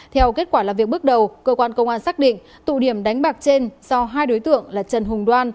theo kết quả làm việc bước đầu cơ quan công an xác định tụ điểm đánh bạc trên do hai đối tượng là trần hùng đoan